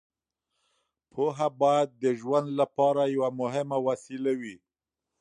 پوهه باید د ژوند لپاره یوه مهمه وسیله وي.